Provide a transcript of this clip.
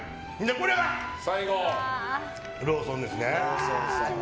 これはローソンですね。